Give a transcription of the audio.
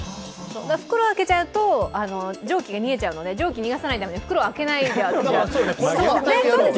袋開けちゃうと、蒸気が逃げちゃうので、蒸気を逃がさないために袋を開けない。